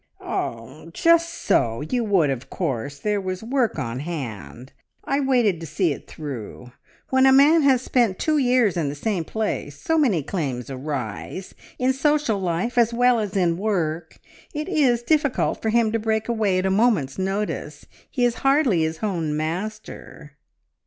"Er just so; you would, of course! There was work on hand. I waited to see it through. When a man has spent two years in the same place so many claims arise, in social life as well as in work. It is difficult for him to break away at a moment's notice. He is hardly his own master."